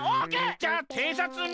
じゃあていさつに。